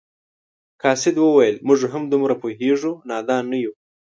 قاصد وویل موږ هم دومره پوهیږو نادان نه یو.